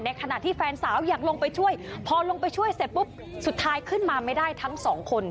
ขณะที่แฟนสาวอยากลงไปช่วยพอลงไปช่วยเสร็จปุ๊บสุดท้ายขึ้นมาไม่ได้ทั้งสองคน